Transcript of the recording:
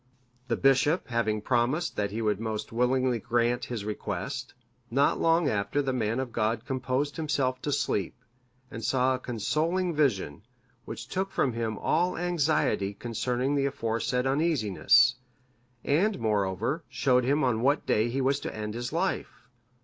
The bishop having promised that he would most willingly grant his request, not long after the man of God composed himself to sleep, and saw a consoling vision, which took from him all anxiety concerning the aforesaid uneasiness; and, moreover, showed him on what day he was to end his life.